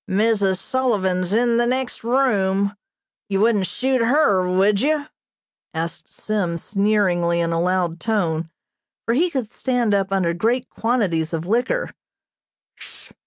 "Mrs. Sullivan's in the next room. You wouldn't shoot her, would you?" asked Sim sneeringly in a loud tone, for he could stand up under great quantities of liquor.